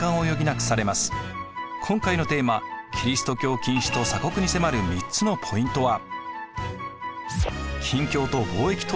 今回のテーマ「キリスト教禁止と鎖国」に迫る３つのポイントは。